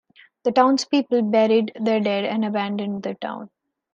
The townspeople buried their dead and abandoned the town.